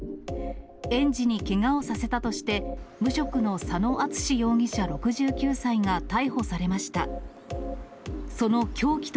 園児にけがをさせたとして、無職の佐野淳容疑者６９歳が逮捕されました。